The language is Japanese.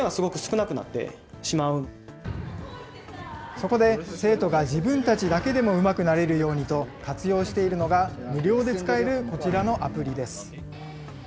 そこで、生徒が自分たちだけでもうまくなれるようにと活用しているのが、無料で使えるこちらのアプリです。